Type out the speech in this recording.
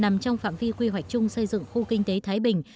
nằm trong phạm vi quy hoạch chung xây dựng khu kinh tế thái bình